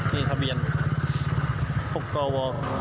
นี่ทะเบียน๖กว